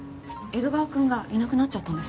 江戸川くんがいなくなっちゃったんです。